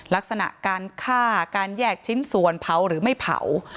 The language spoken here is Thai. ลักษณะการฆ่าการแยกชิ้นส่วนเผาหรือไม่เผา